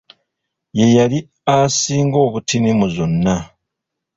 Yeyali asinga obutini mu zonna.